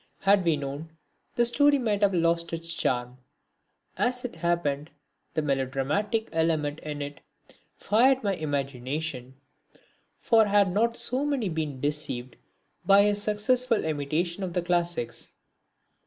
Had we known, the story might have lost its charm. As it happened the melodramatic element in it fired my imagination; for had not so many been deceived by his successful imitation of the classics?